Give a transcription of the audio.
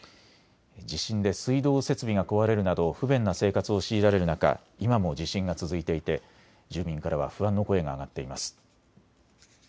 地震で水道設備が壊れるなど不便な生活を強いられる中、今も地震が続いていて住民からは不安の声が上がっています。